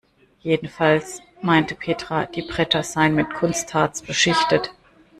Jedenfalls meinte Petra, die Bretter seien mit Kunstharz beschichtet.